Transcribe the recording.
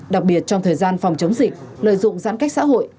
đặc biệt trong thời gian phòng chống dịch lợi dụng giãn cách xã hội